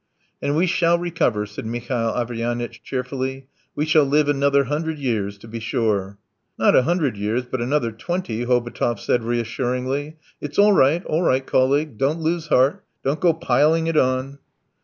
"And we shall recover," said Mihail Averyanitch cheerfully. "We shall live another hundred years! To be sure!" "Not a hundred years, but another twenty," Hobotov said reassuringly. "It's all right, all right, colleague; don't lose heart. ... Don't go piling it on!"